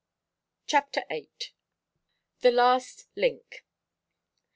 CHAPTER VIII. THE LAST LINK.